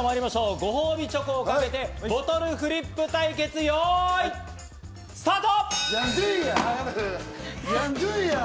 ご褒美チョコかけてボトルフリップ対決、用意、スタート！